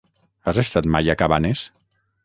Has estat mai a Cabanes?